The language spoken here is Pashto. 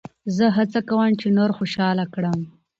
زه هڅه کوم، چي نور خوشحاله کړم.